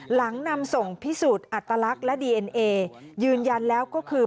หลังนำส่งพิสูจน์อัตลักษณ์และดีเอ็นเอยืนยันแล้วก็คือ